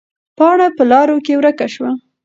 پاڼه په لارو کې ورکه شوه.